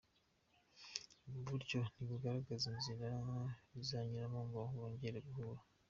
Ubu buryo ntibugaragaza inzira bizanyuramo ngo bongere guhura.